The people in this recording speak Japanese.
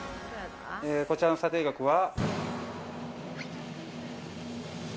こちらの査定額は。